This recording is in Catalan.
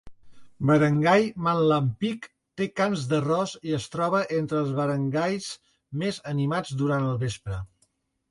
Barangay Manlapig té camps d'arròs i es troba entre els barangays més animats durant el vespre.